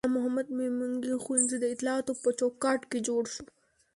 غلام محمد میمنګي ښوونځی د اطلاعاتو په چوکاټ کې جوړ شو.